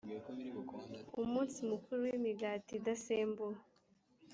umunsi mukuru w imigati idasembuwe